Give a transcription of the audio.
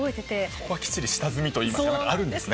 そこは下積みといいますか何かあるんですね。